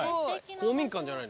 公民館じゃない。